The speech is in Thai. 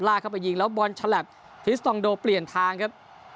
เข้าไปยิงแล้วบอลฉลับทิสตองโดเปลี่ยนทางครับ